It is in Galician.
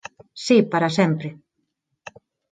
_Si, para sempre.